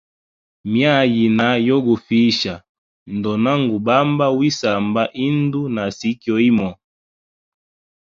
Myaa yina yogofihisha, ndona ngubamba wi samba indu nasi kyoimo.